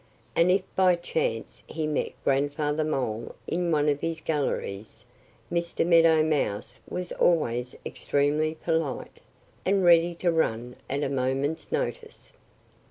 And if by chance he met Grandfather Mole in one of his galleries Mr. Meadow Mouse was always extremely polite and ready to run at a moment's notice.